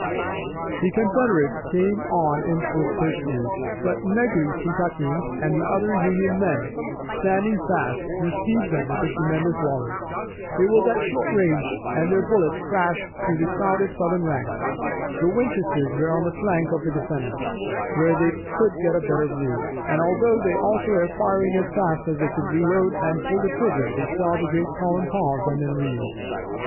The Confederates came on in swift pursuit, but Negley's Kentuckians and the other Union men, standing fast, received them with a tremendous volley. It was at short range, and their bullets crashed through the crowded Southern ranks. The Winchesters were on the flank of the defenders, where they could get a better view, and although they also were firing as fast as they could reload and pull the trigger, they saw the great column pause and then reel.